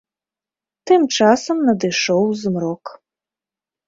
Тым часам надышоў змрок.